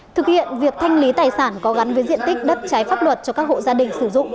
thực hiện việc thanh lý tài sản có gắn với diện tích đất trái pháp luật cho các hộ gia đình sử dụng